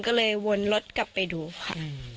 ก็เลยวนรถกลับไปดูค่ะ